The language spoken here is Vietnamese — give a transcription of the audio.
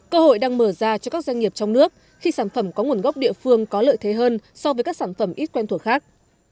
cơ hội đang mở ra cho các doanh nghiệp trong nước khi sản phẩm có nguồn gốc địa phương có lợi thế hơn so với các sản phẩm ít quen thuộc khác